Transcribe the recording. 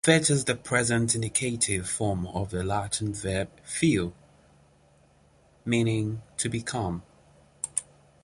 'Fit' is the present indicative form of the Latin verb fio meaning 'to become'.